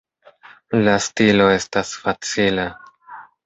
La stilo estas facila.